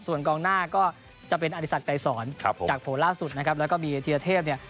ส่วนกลางหน้าก็จะเป็นอัธิษฐกัยสอนครับผมจากโผล่ล่าสุดนะครับแล้วก็มีเทียเทพเนี่ย